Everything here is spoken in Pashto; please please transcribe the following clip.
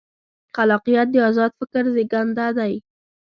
خلاقیت د ازاد فکر زېږنده دی.